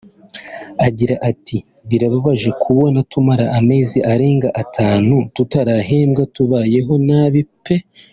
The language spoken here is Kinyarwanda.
Agira ati “Birababaje kubona tumara amezi arenga atanu tutarahembwa tubayeho nabi pe